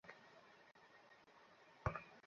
আমরা মিডিয়াকে বোম সম্পর্কে কিছু বলতে পারব না।